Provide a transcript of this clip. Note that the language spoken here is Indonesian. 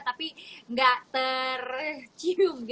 tapi gak tercium